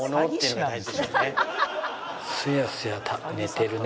「すやすやねてるね」